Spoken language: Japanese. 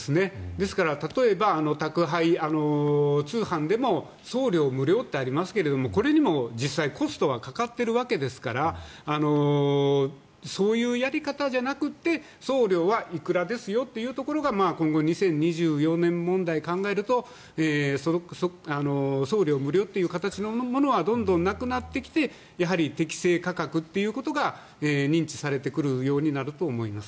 ですから、例えば宅配通販でも送料無料ってありますがこれにも実際コストはかかっているわけですからそういうやり方じゃなくて送料はいくらですよというところが今後２０２４年問題を考えると送料無料という形のものはどんどんなくなってきてやはり適正価格ということが認知されてくるようになると思います。